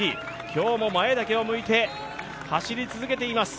今日も前だけを向いて走り続けています。